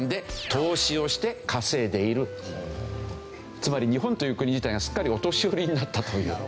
つまり日本という国自体がすっかりお年寄りになったという。